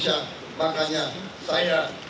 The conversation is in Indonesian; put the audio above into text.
saya berterima kasih pancasila dan rakyat indonesia